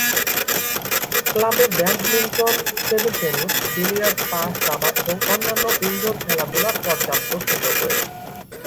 ক্লাবে badminton, table tennis, billiard, তাস, দাবা এবং অন্যান্য ইনডোর খেলাধুলার পর্যাপ্ত সুযোগ রয়েছে।